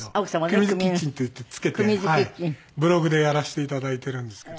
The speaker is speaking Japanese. ’ｓＫｉｔｃｈｅｎっていって付けてブログでやらせていただいてるんですけど。